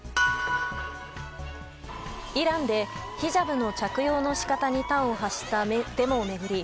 イランでヒジャブの着用の仕方に端を発したデモを巡り